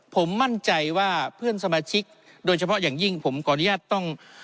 ผมมั่นใจว่าเพื่อนสมาชิกโดยเฉพาะอย่างยิ่งผมขออนุญาตต้อง